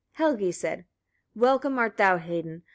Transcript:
Helgi said: 31. Welcome art thou, Hedin!